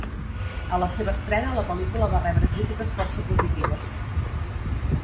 A la seva estrena, la pel·lícula va rebre crítiques força positives.